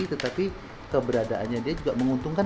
tetapi keberadaannya dia juga menguntungkan